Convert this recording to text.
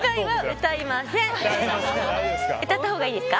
歌ったほうがいいですか？